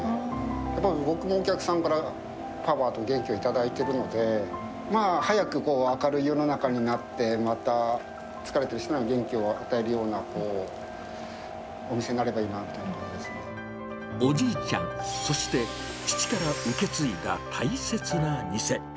やっぱり僕もお客さんからパワーと元気を頂いているので、まあ、早く明るい世の中になって、また疲れている人に元気を与えるようなお店になればいいなと思いおじいちゃん、そして父から受け継いだ大切な店。